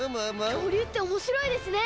きょうりゅうっておもしろいですね！